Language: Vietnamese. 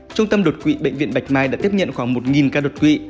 trung tâm đột quỵ bệnh viện bạch mai đã tiếp nhận khoảng một ca đột quỵ